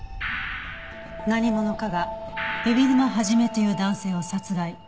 何者かが海老沼肇という男性を殺害。